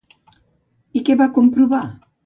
I què va comprovar?